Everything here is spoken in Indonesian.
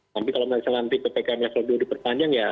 nanti kalau bisa nanti ppkm level dua diperpanjang ya